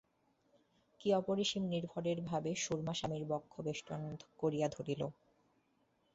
কী অপরিসীম নির্ভরের ভাবে সুরমা স্বামীর বক্ষ বেষ্টন করিয়া ধরিল।